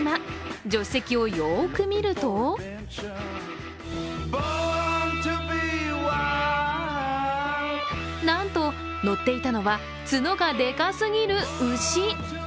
助手席をよく見るとなんと、乗っていたのは角がでかすぎる牛。